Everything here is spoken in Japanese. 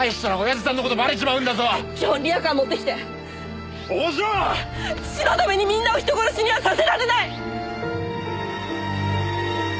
父のためにみんなを人殺しにはさせられない！